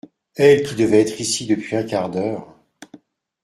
Elle qui devait être ici depuis un quart d’heure…